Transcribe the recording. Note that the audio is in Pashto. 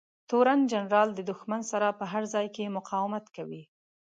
تورن جنرال د دښمن سره په هر ځای کې مقاومت کوي.